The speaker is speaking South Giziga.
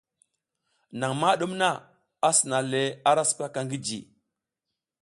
Naƞ ma ɗum na, a sina le ara sipaka ngi ji.